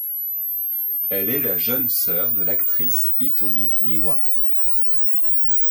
Elle est la jeune sœur de l'actrice Hitomi Miwa.